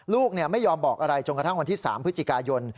ลูกไม่ยอมบอกอะไรจนกระทั่งวันที่๓พฤศจิกายน